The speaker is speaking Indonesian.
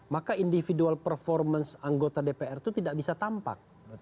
maka individual performance anggota dpr itu tidak bisa tampak